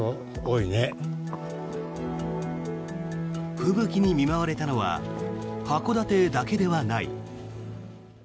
吹雪に見舞われたのは函館だけではない。